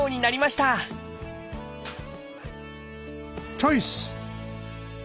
チョイス！